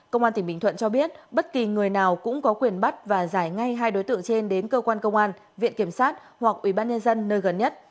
công an tỉnh bình thuận cho biết bất kỳ người nào cũng có quyền bắt và giải ngay hai đối tượng trên đến cơ quan công an viện kiểm sát hoặc ủy ban nhân dân nơi gần nhất